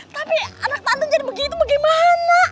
tapi anak tandeng jadi begitu bagaimana